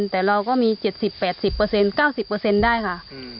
แต่เราก็มี๗๐๘๐๙๐ได้ค่ะ